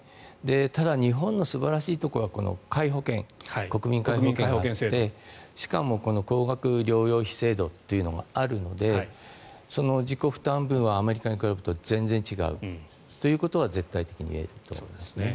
ただ、日本の素晴らしいところは皆保険国民皆保険制度でしかも高額療養費制度っていうのがあるので自己負担分はアメリカに比べると全然違うということは絶対的に言えると思います。